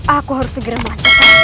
aku harus segera melancarkan